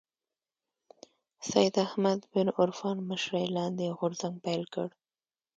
سید احمد بن عرفان مشرۍ لاندې غورځنګ پيل کړ